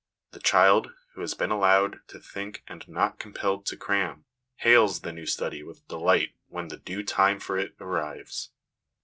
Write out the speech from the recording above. The child, who has been allowed to think and not compelled to cram, hails the new study with delight when the due time for it arrives.